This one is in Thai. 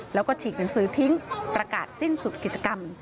แล้วก็ฉีกหนังสือทิ้งประกาศสิ้นสุดกิจกรรม